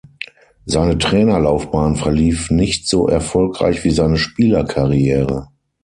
Seine Trainerlaufbahn verlief nicht so erfolgreich wie seine Spielerkarriere.